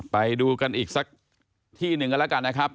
ไปดูกันอีกสักที่หนึ่งกันแล้วกันนะครับ